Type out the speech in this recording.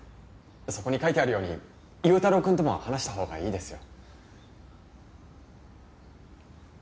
そこに書いてあるように優太郎くんとも話したほうがいいですよ。